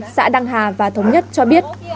xã đăng hà và thống nhất cho biết